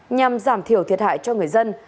nhằm giảm thiểu thiệt hại cho người dân